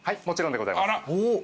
もちろんでございます。